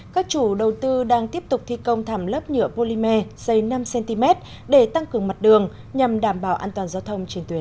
các chủ đầu tư đang tiếp tục thi công thảm lớp nhựa polymer dày năm cm để tăng cường mặt đường nhằm đảm bảo an toàn giao thông trên tuyến